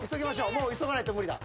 もう急がないと無理だ。